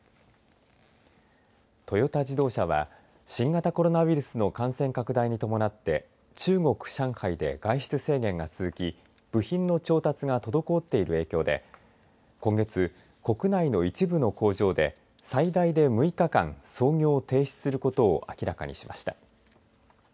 トヨタ自動車は新型コロナウイルスの感染拡大に伴って中国・上海で外出制限が続き部品の調達が滞っている影響で今月、国内の一部の工場で最大で６日間操業を停止することを明らかにしました。